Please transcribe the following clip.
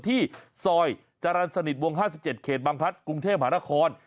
ที่ซอยจรรย์สนิทวง๕๗เขตบางพัฒน์กรุงเทพหานคร